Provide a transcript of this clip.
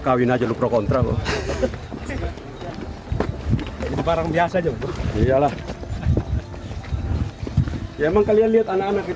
kawin aja lu pro contra loh itu barang biasa juga iyalah emang kalian lihat anak anak itu